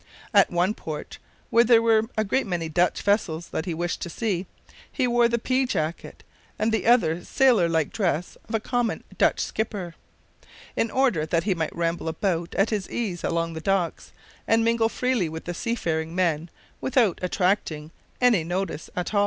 At one port, where there were a great many Dutch vessels that he wished to see, he wore the pea jacket and the other sailor like dress of a common Dutch skipper, in order that he might ramble about at his ease along the docks, and mingle freely with the seafaring men, without attracting any notice at all.